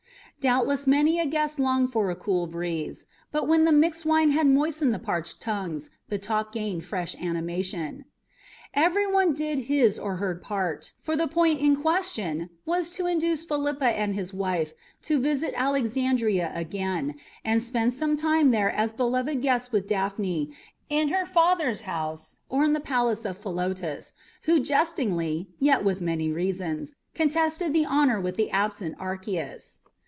Doubtless many a guest longed for a cool breeze, but when the mixed wine had moistened the parched tongues the talk gained fresh animation. Every one did his or her part, for the point in question was to induce Philippus and his wife to visit Alexandria again and spend some time there as beloved guests with Daphne in her father's house or in the palace of Philotas, who jestingly, yet with many reasons, contested the honour with the absent Archias.